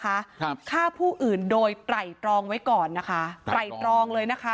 ครับฆ่าผู้อื่นโดยไตรตรองไว้ก่อนนะคะไตรตรองเลยนะคะ